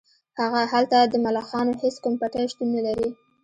هلته د ملخانو هیڅ کوم پټی شتون نلري